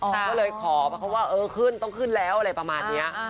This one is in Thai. ก็เลยขอเขาว่าเออขึ้นต้องขึ้นแล้วอะไรประมาณนี้